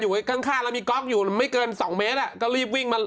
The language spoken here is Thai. อู้ขึ้นมาแล้วโดดเลยเห็นไหมล่ะ